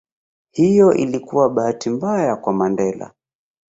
Hiyo ilikuwa bahati mbaya kwa Mandela